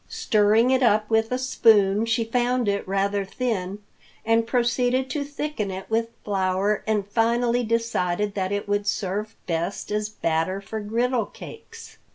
Stirring it up with a spoon, she found it rather thin, and proceeded to thicken it with flour and finally decided that it would serve best as batter for griddle cakes.